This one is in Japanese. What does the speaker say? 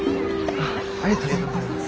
ありがとうございます。